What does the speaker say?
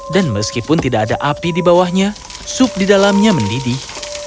dan meskipun tidak ada api di bawahnya sup di dalamnya mendidih